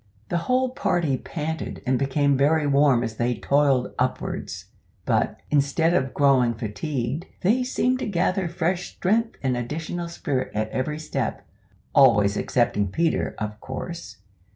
The whole party panted and became very warm as they toiled upwards; but, instead of growing fatigued, they seemed to gather fresh strength and additional spirit at every step always excepting Peter, of course.